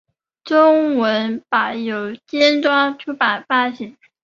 中文版由尖端出版发行。